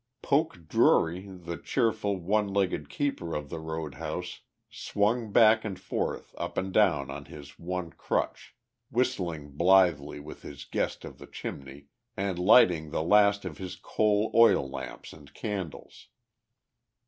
Poke Drury, the cheerful, one legged keeper of the road house, swung back and forth up and down on his one crutch, whistling blithely with his guest of the chimney and lighting the last of his coal oil lamps and candles.